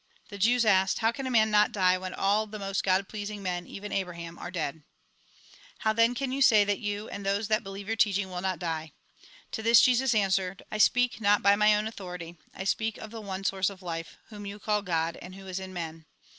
The Jews asked :" How can a man not die, when all the most God pleasing men, even Abraham, are dead ? How, then, can you say that you, and those that believe your teaching, will not die ?" To this, Jesus answered :" I speak not by my own authority. I speak of the one source of life. Whom you call God, and Who is in men.